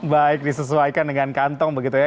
baik disesuaikan dengan kantong begitu ya